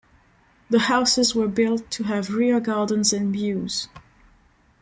The houses were built to have rear gardens and mews.